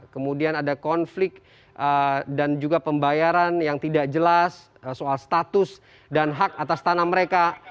kemudian ada konflik dan juga pembayaran yang tidak jelas soal status dan hak atas tanah mereka